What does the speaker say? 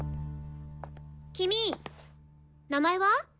君名前は？